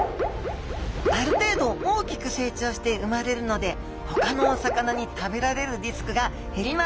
ある程度大きく成長して産まれるのでほかのお魚に食べられるリスクが減ります。